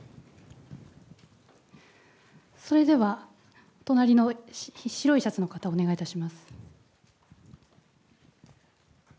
それでは、隣の白いシャツの方、お願いいたします。